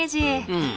うん。